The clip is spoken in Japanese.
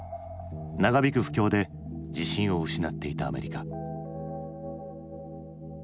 長引く不況で自信を失っていたアメリカ。